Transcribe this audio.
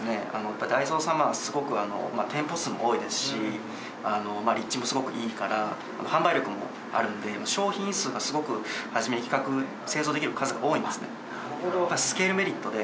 やっぱりダイソー様はすごく店舗数も多いですし立地もすごくいいから販売力もあるので商品数がすごく初めに製造できる数が多いんですね。